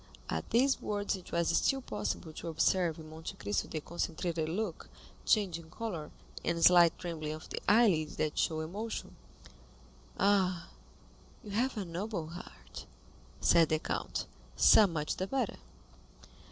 At these words it was still possible to observe in Monte Cristo the concentrated look, changing color, and slight trembling of the eyelid that show emotion. "Ah, you have a noble heart," said the count; "so much the better."